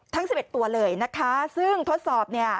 ทั้ง๑๑ตัวเลยนะคะซึ่งทดสอบเนี่ย